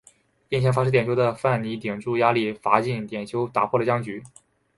一年前罚失点球的范尼顶住压力罚进点球打破了僵局。